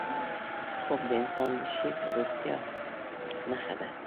خوب د انسان د ښې روغتیا نښه ده